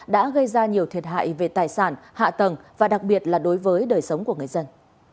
đã gây ra nhiều thiệt hại về tài sản hạ tầng và đặc biệt là đối với đời sống của người dân